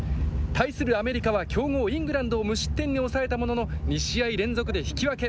対するアメリカは、強豪イングランドを無失点に抑えたものの、２試合連続で引き分け。